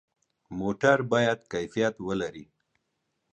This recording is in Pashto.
موټر باید ښه کیفیت ولري.